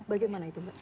bagaimana itu mbak